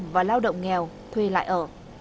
và lao động nghèo thuê lại ở